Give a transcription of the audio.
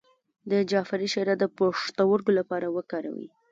د جعفری شیره د پښتورګو لپاره وکاروئ